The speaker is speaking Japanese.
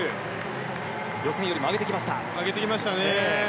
予選よりも上げてきました。